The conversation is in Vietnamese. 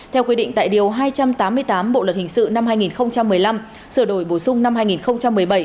theo quy định tại điều hai trăm tám mươi tám bộ luật hình sự năm hai nghìn một mươi năm sửa đổi bổ sung năm hai nghìn một mươi bảy